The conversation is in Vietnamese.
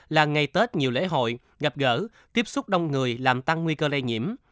là ngày tết nhiều lễ hội gặp gỡ tiếp xúc đông người làm tăng nguy cơ lây nhiễm